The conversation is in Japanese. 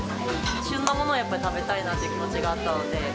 旬のものをやっぱ食べたいなっていう気持ちがあったので。